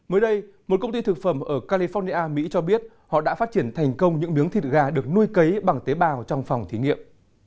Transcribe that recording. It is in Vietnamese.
mới đây một công ty thực phẩm ở california mỹ cho biết họ đã phát triển thành công những miếng thịt gà được nuôi cấy bằng tế bào trong phòng thí nghiệm